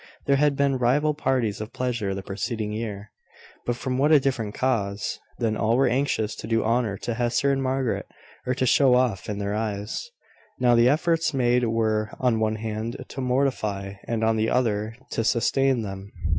There had been rival parties of pleasure the preceding year; but from what a different cause! Then, all were anxious to do honour to Hester and Margaret, or to show off in their eyes: now, the efforts made were, on the one hand, to mortify, and on the other, to sustain them.